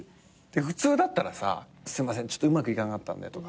普通だったらさ「すいませんうまくいかなかったんで」とか。